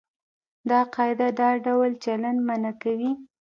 دا قاعده دا ډول چلند منع کوي.